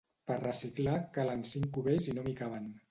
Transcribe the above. Per reciclar, calen cinc cubells i no m'hi caben.